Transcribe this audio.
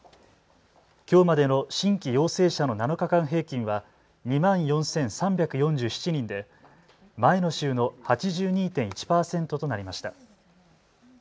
きょうまでの新規陽性者の７日間平均は２万４３４７人で前の週の８２．１％となりました。